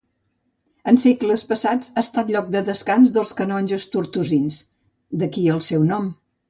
En segles passats ha estat lloc de descans dels canonges tortosins, d'aquí el seu nom.